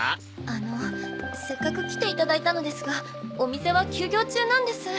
あのせっかく来ていただいたのですがお店は休業中なんです。